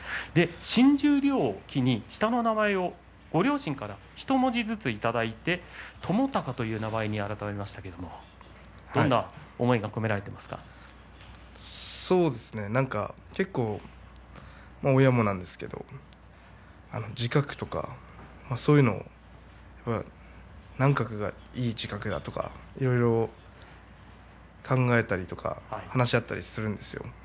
新十両を機に下の名前をご両親からひと文字ずついただいて智貴という名前に改めましたけれどもどんな思いが結構、親もなんですけど字画とかそういうのを何画がいい字画だとかいろいろ考えたり話し合ったりするんですよ。